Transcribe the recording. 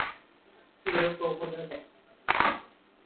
زور فوقالعاده